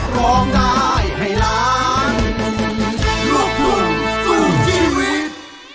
ขอตอบแทนแม่พ่อ